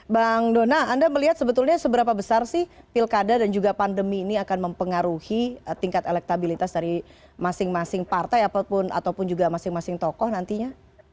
bang dona anda melihat sebetulnya seberapa besar sih pilkada dan juga pandemi ini akan mempengaruhi tingkat elektabilitas dari masing masing partai ataupun juga masing masing tokoh nantinya